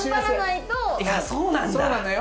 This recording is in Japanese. いやそうなんだ。